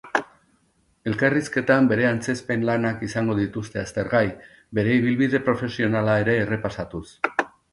Elkarrizketan bere antzezpen lanak izango dituzte aztergai, bere ibilbide profesionala ere errepasatuz.